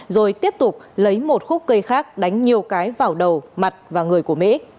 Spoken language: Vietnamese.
rồi tiếp tục lấy một khúc cây khác đánh nhiều cái vào đầu mặt và người của mỹ